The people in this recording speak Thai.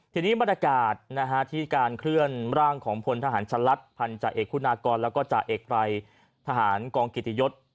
ทีนี้บรรยากาศที่การเคลื่อนร่างของพลทหารชะลัดพันธาเอกคุณากรแล้วก็จ่าเอกไรทหารกองเกียรติยศ